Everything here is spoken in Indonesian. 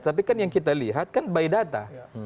tapi kan yang kita lihat kan by data